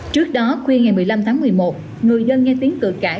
trước đó khuya ngày một mươi năm tháng một mươi một người dân nghe tiếng cửa cảng